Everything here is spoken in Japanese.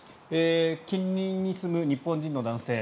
近隣に住む日本人の男性。